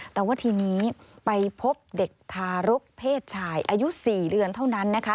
แต่ว่าทีนี้ไปพบเด็กทารกเพศชายอายุ๔เดือนเท่านั้นนะคะ